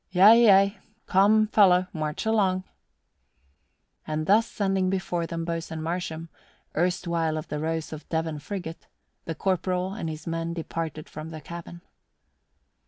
"Yea, yea. Come, fellow, march along." And thus sending before them Boatswain Marsham, erstwhile of the Rose of Devon frigate, the corporal and his men departed from the cabin.